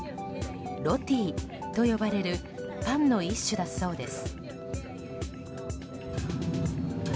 ロティと呼ばれるパンの一種だそうです。